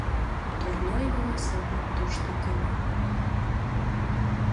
Турня Йоосепат туштак ыле.